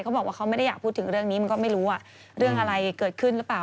เขาบอกว่าเขาไม่ได้อยากพูดถึงเรื่องนี้มันก็ไม่รู้ว่าเรื่องอะไรเกิดขึ้นหรือเปล่า